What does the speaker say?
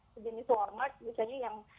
sejenis walmart misalnya yang